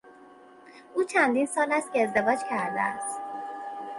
او چندین سال است که ازدواج کرده است.